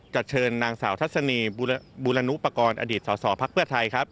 จัดเชิญนางสาวทัศนีบูรณุปกรอดีตสสพไทย